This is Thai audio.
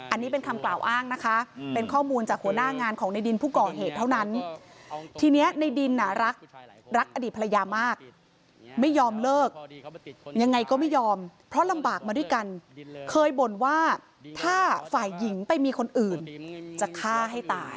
อันนี้เป็นคำกล่าวอ้างนะคะเป็นข้อมูลจากหัวหน้างานของในดินผู้ก่อเหตุเท่านั้นทีนี้ในดินรักรักอดีตภรรยามากไม่ยอมเลิกยังไงก็ไม่ยอมเพราะลำบากมาด้วยกันเคยบ่นว่าถ้าฝ่ายหญิงไปมีคนอื่นจะฆ่าให้ตาย